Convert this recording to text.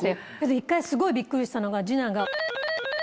一回すごいびっくりしたのが二男が。